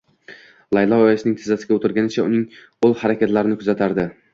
Laylo oyisining tizzasiga o`tirgancha uning qo`l harakatlarini kuzatardi